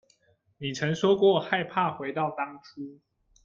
你曾說過害怕回到當初